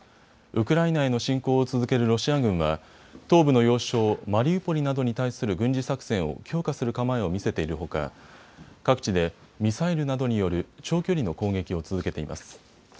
ウクライナへの侵攻を続けるロシア軍は東部の要衝、マリウポリなどに対する軍事作戦を強化する構えを見せているほか各地でミサイルなどによる長距離の攻撃を続けています。